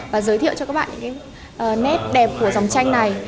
và giới thiệu cho các bạn nét đẹp của dòng tranh này